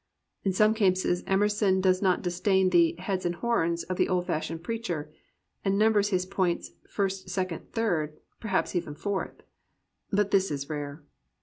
In some cases Emerson does not disdain the "heads and horns" of the old fashioned preacher, and numbers his points "first," "second," "third," — ^perhaps even "fourth." But this is rare.